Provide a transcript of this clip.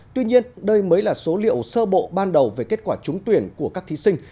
tuy nhiên đây mới là số liệu sơ bộ ban đầu về kết quả trúng tuyển của các thí sinh